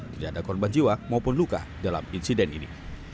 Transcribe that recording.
tidak ada korban jiwa maupun luka dalam insiden ini